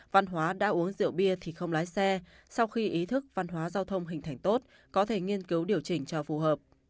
văn hóa đã uống rượu bia thì không lái xe sau khi ý thức văn hóa giao thông hình thành tốt có thể nghiên cứu điều chỉnh cho phù hợp